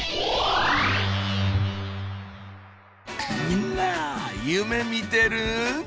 みんな夢見てる？